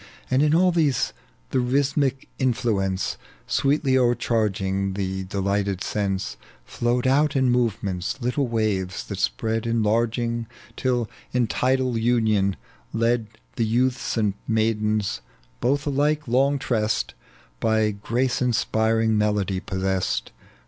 And in all these the rhythmic influence, Sweetly o'ereharging the delighted sense, Flowed out in movements, little waves that spread Enlarging, till in tidal union led The youths and maidens both alLlie long tressed, By grace inspiring melody possessed.